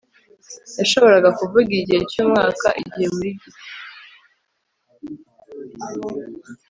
yashoboraga kuvuga igihe cyumwaka igihe buri giti